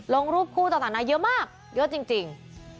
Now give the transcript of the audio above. ลงรูปคู่ต่างนาเยอะมากเยอะจริง